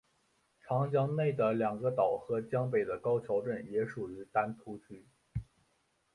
长江内的两个岛和江北的高桥镇也属于丹徒区。